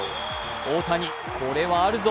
大谷、これはあるぞ。